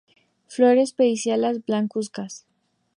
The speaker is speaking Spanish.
Flores pediceladas, blancuzcas.